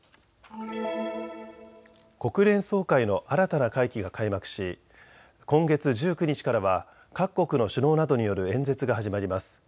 国連総会の新たな会期が開幕し今月１９日からは各国の首脳などによる演説が始まります。